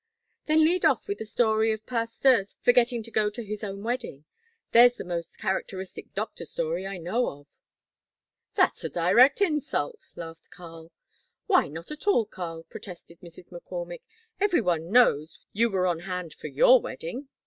"Then lead off with the story of Pasteur's forgetting to go to his own wedding. There's the most characteristic doctor story I know of." "That's a direct insult," laughed Karl. "Why, not at all, Karl," protested Mrs. McCormick, "every one knows you were on hand for your wedding."